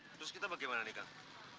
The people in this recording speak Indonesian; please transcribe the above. terus kita bagaimana nekang